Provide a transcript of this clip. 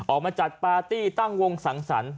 ออกมาจัดปาร์ตี้ตั้งวงสังสรรค์